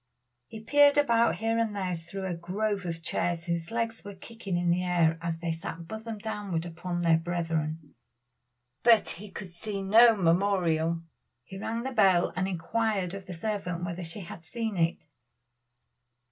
He peered about here and there through a grove of chairs whose legs were kicking in the air as they sat bosom downward upon their brethren, but he could see no memorial. He rang the bell and inquired of the servant whether she had seen it.